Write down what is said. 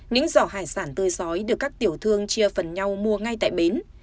những giỏ hải sản tươi xói được các tiểu thương chia phần nhau mua ngay tại bến